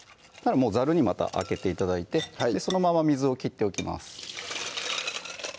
もうざるにまたあけて頂いてそのまま水を切っておきます